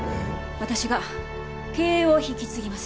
私が経営を引き継ぎます。